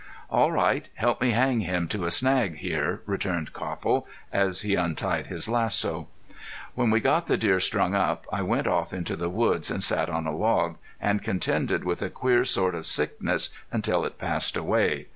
"All right. Help me hang him to a snag here," returned Copple, as he untied his lasso. When we got the deer strung up I went off into the woods, and sat on a log, and contended with a queer sort of sickness until it passed away.